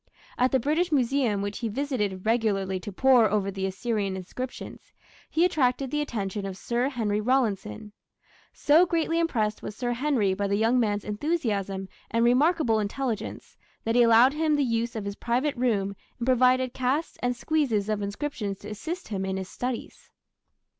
At the British Museum, which he visited regularly to pore over the Assyrian inscriptions, he attracted the attention of Sir Henry Rawlinson. So greatly impressed was Sir Henry by the young man's enthusiasm and remarkable intelligence that he allowed him the use of his private room and provided casts and squeezes of inscriptions to assist him in his studies.